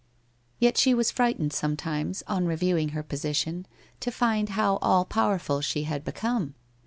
Yet she was frightened sometimes, on reviewing her posi tion, to find how all powerful she had become.